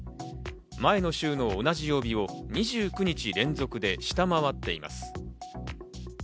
前の週の同じ曜日を２９日連続で下回っています。